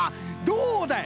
どうだい！